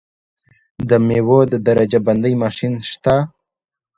د میوو د درجه بندۍ ماشین شته؟